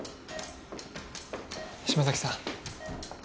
嶋崎さん